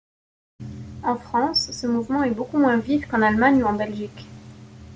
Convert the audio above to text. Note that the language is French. En France, ce mouvement est beaucoup moins vif qu'en Allemagne ou en Belgique.